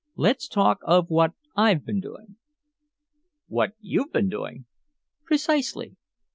"Let's talk of what I've been doing." "What you've been doing?" "Precisely.